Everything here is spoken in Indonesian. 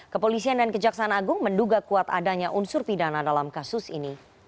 kepolisian dan kejaksaan agung menduga kuat adanya unsur pidana dalam kasus ini